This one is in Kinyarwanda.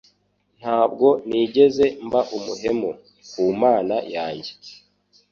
nta bwo nigeze mba umuhemu ku Mana yanjye